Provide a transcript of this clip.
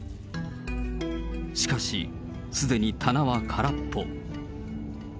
しかし、すでに棚は空っぽ。